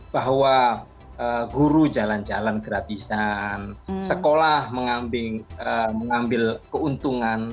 bahwa guru jalan jalan gratisan sekolah mengambil keuntungan